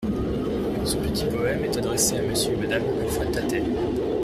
Ce petit poème est adressé à Monsieur ou à Madame Alfred Tattet.